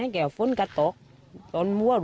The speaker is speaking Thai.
เขาฝนกระต๊อกฝนมั่ว